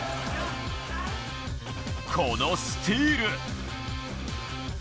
このスティール。